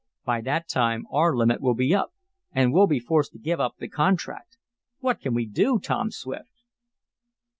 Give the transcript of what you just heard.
By that time our limit will be up, and we'll be forced to give up the contract What can we do, Tom Swift?"